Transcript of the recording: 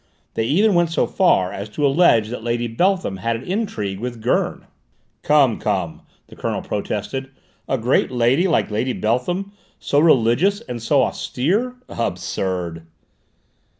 They even went so far as to allege that Lady Beltham had an intrigue with Gurn!" "Come! come!" the Colonel protested: "a great lady like Lady Beltham, so religious and so austere? Absurd!"